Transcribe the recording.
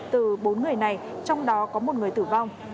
từ bốn người này trong đó có một người tử vong